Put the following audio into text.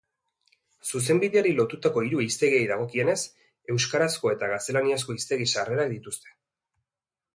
Zuzenbideari lotutako hiru hiztegiei dagokienez, euskarazko eta gaztelaniazko hiztegi sarrerak dituzte.